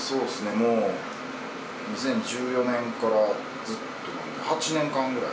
もう２０１４年からずっとなんで、８年間ぐらい。